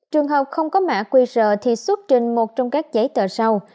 trường hợp không có mã qr thì xuất trình một trong các giấy tờ sau